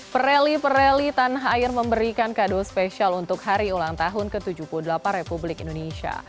pereli pereli tanah air memberikan kado spesial untuk hari ulang tahun ke tujuh puluh delapan republik indonesia